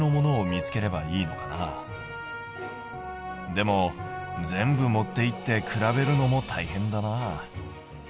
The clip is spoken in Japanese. でも全部持っていって比べるのもたいへんだな。